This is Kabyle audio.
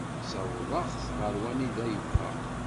Ssawḍeɣ-t ar wanida yebɣa.